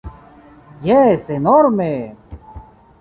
Jes, enorme!